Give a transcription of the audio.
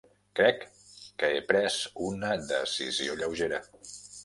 Crec que he pres una decisió lleugera.